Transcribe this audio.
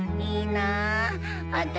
いいなあ。